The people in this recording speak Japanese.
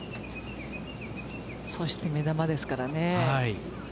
そして目玉ですからね。